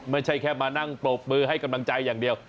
ไม่ใช่แค่มานั่งปรบมือให้กำลังใจอย่างเดียว